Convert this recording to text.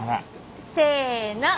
せの！